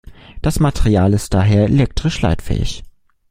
Das Material ist daher elektrisch leitfähig.